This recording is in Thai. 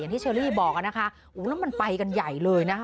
อย่างที่เชอรี่บอกนะคะมันไปกันใหญ่เลยนะ